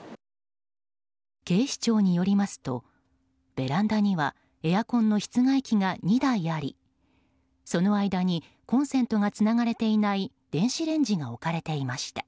警視庁によりますとベランダにはエアコンの室外機が２台ありその間にコンセントがつながれていない電子レンジが置かれていました。